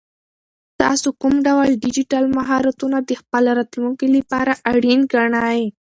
تاسو کوم ډول ډیجیټل مهارتونه د خپل راتلونکي لپاره اړین ګڼئ؟